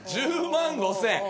１５万５，０００円。